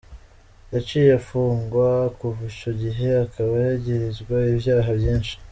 Yaciye apfungwa kuva ico gihe akaba yagirizwa ivyaha vyinshi.